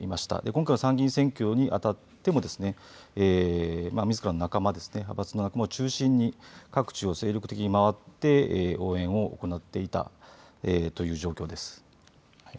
今回の参議院選挙にあたってもみずからの仲間、派閥の仲間を中心に各地を精力的に回って応援を行っていたという状況です。